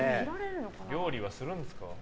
料理はするんですか？